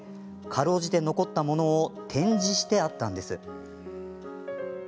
かろうじて残ったものを展示してあったんです。